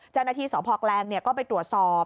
เจ้าหน้าที่สพแกลงก็ไปตรวจสอบ